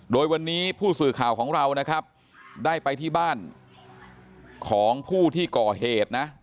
โดยวันนี้ผู้สื่อข่าวของเรานะครับได้ไปที่บ้านของผู้ที่ก่อเหตุนะ